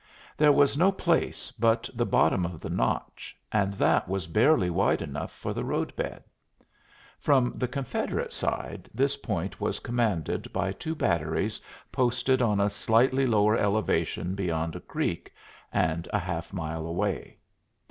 There was no place but the bottom of the notch, and that was barely wide enough for the roadbed. From the Confederate side this point was commanded by two batteries posted on a slightly lower elevation beyond a creek, and a half mile away.